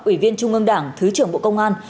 ủy viên trung ương đảng thứ trưởng bộ công an